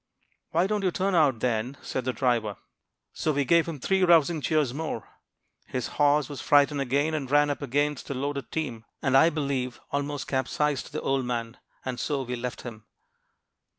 "'Why don't you turn out, then?' said the driver. "So we gave him three rousing cheers more. His horse was frightened again, and ran up against a loaded team, and, I believe, almost capsized the old man; and so we left him."